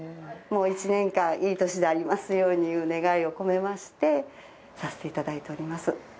もう１年間いい年でありますようにいう願いを込めましてさせていただいております。